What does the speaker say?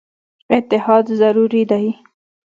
اتحاد ضروري دی.